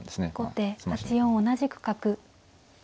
後手８四同じく角。